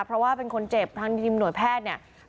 เพราะว่าเป็นคนเจ็บทางทีมหน่วยแพทย์เนี่ย